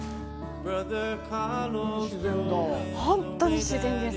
本当に自然です。